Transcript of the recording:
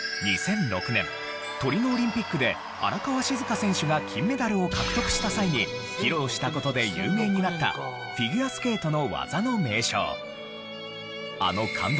２００６年トリノオリンピックで荒川静香選手が金メダルを獲得した際に披露した事で有名になったフィギュアスケートの技の名称。